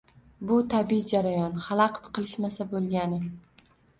Bu tabiiy jarayon, xalaqit qilishmasa bo‘lgani.